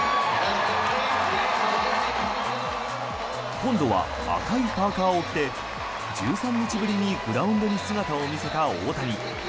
今度は赤いパーカを着て１３日ぶりにグラウンドに姿を見せた大谷。